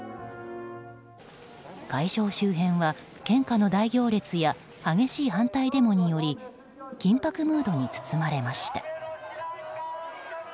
会場周辺は献花の大行列や激しい反対デモにより緊迫ムードに包まれました。